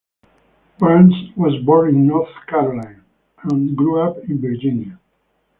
Barnes was born in North Carolina and grew up in Virginia.